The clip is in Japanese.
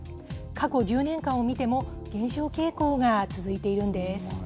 過去１０年間を見ても、減少傾向が続いているんです。